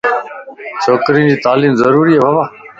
ڇورين جي تعليم ضروري ائي.